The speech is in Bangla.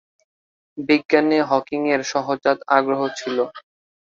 বিজ্ঞানে হকিংয়ের সহজাত আগ্রহ ছিল।